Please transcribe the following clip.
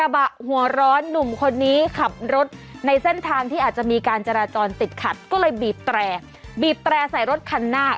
บีบแตรกบีบแตรกใส่รถคันหน้า